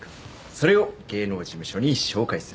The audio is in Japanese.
それを芸能事務所に紹介する。